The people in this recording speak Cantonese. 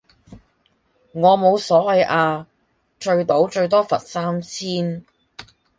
我冇所謂呀，聚賭最多罰三千